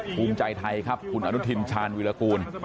ภูมิใจไทยครับคุณอนุทินชาญวิรากูล